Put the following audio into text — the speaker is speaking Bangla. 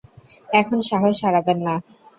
এখন সাহস হারাবেন না!